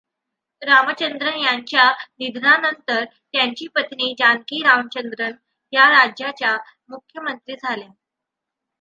रामचंद्रन यांच्या निधनानंतर त्यांची पत्नी जानकी रामचंद्रन या राज्याच्या मुख्यमंत्री झाल्या.